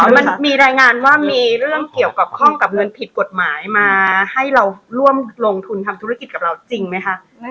มันมีรายงานว่ามีเรื่องเกี่ยวกับข้องกับเงินผิดกฎหมายมาให้เราร่วมลงทุนทำธุรกิจกับเราจริงไหมคะ